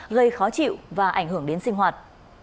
gây khó chịu và ảnh hưởng đến sinh hoạt